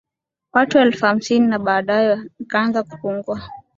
watu elfu hamsini Na baadaye ikaanza kupungua